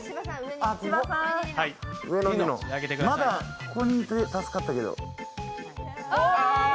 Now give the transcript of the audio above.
まだここにいて助かったけど。